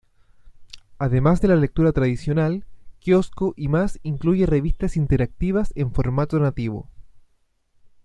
Además de la lectura tradicional, Kiosko y más incluye revistas interactivas en formato nativo.